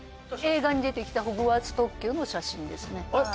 映画に出てきたホグワーツ特急の写真ですねあれ？